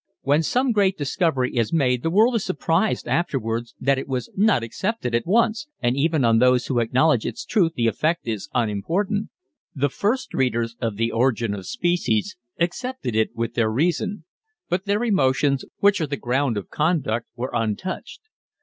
When some great discovery is made the world is surprised afterwards that it was not accepted at once, and even on those who acknowledge its truth the effect is unimportant. The first readers of The Origin of Species accepted it with their reason; but their emotions, which are the ground of conduct, were untouched.